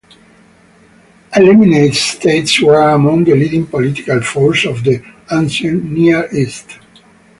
Elamite states were among the leading political forces of the Ancient Near East.